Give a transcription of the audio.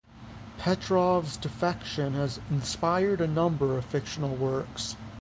Petrov's defection has inspired a number of fictional works.